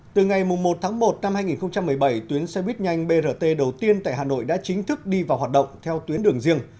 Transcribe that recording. từ ngày một tháng một năm hai nghìn một mươi bảy tuyến xe buýt nhanh brt đầu tiên tại hà nội đã chính thức đi vào hoạt động theo tuyến đường riêng